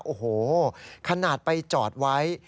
โอ้โหขนาดไปจอดไว้